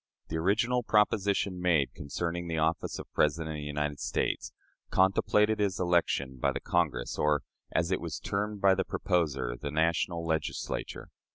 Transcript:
The original proposition made concerning the office of President of the United States contemplated his election by the Congress, or, as it was termed by the proposer, "the national Legislature."